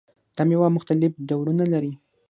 دا میوه مختلف ډولونه لري.